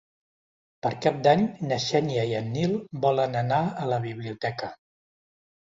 Per Cap d'Any na Xènia i en Nil volen anar a la biblioteca.